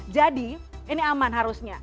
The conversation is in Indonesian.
jadi ini aman harusnya